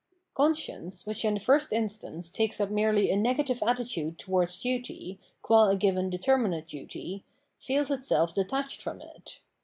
Conscience, which in the first instance takes up merely a negative attitude towards duty, qwi a given determinate duty, feels itself detached from it.